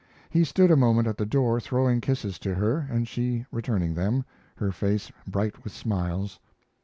He stood a moment at the door throwing kisses to her, and she returning them, her face bright with smiles.